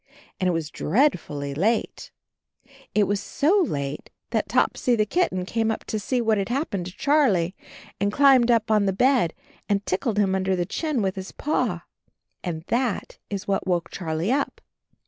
And it was dread fully late. It was so late that Topsy the kit 60 CHARLIE ten came up to see what had happened to Charlie, and climbed up on the bed and tickled him under the chin with his paw. And that is what woke Charlie up.